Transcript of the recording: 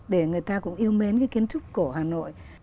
kiến trúc cổ hà nội